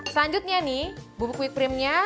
selanjutnya nih bubuk kue creamnya